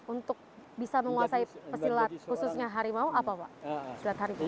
untuk bisa menguasai pesilat khususnya harimau apa pak